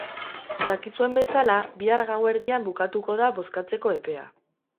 Dakizuen bezala, bihar gauerdian bukatuko da bozkatzeko epea.